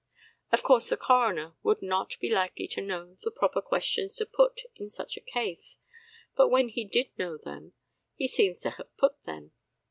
Of course the coroner would not be likely to know the proper questions to put in such a case, but when he did know them he seems to have put them.